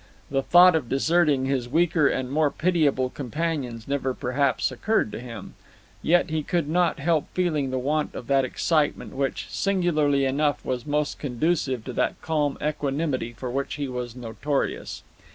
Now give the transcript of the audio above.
The thought of deserting his weaker and more pitiable companions never perhaps occurred to him. Yet he could not help feeling the want of that excitement which, singularly enough, was most conducive to that calm equanimity for which he was notorious.